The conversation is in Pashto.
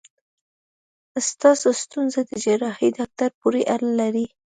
ستاسو ستونزه د جراحي داکټر پورې اړه لري.